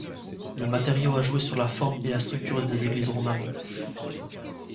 Le matériau a joué sur la forme et la structure des églises romanes.